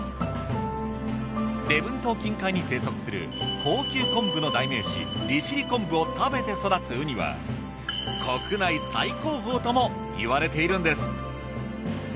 礼文島近海に生息する高級昆布の代名詞利尻昆布を食べて育つウニは国内最高峰ともいわれているんです。